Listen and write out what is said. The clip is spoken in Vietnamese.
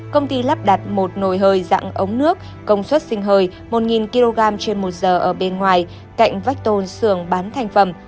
công ty lắp đặt một nồi hơi dạng ống nước công suất sinh hơi một kg trên một giờ ở bên ngoài cạnh vách tôn sưng bán thành phẩm